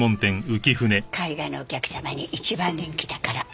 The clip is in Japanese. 海外のお客様に一番人気だから。